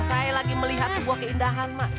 saya lagi melihat sebuah keindahan mak